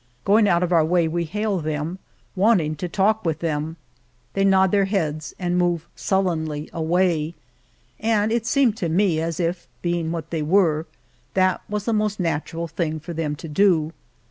Going out of our way we hail them, wanting to talk with them. They nod their heads and move sullenly away, and it seemed to me as if, being what they were, that was the most 95 Monteil natural thing for them to do.